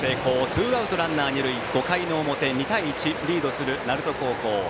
ツーアウトランナー、二塁５回の表、２対１リードする鳴門高校。